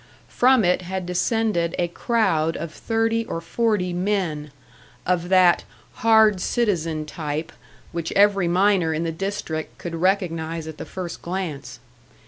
From it had descended a crowd of thirty or forty men, of that "hard citizen" type which every miner in the district could recognise at the first glance.